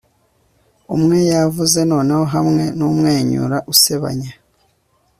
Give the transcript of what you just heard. Umwe yavuze noneho hamwe numwenyura usebanya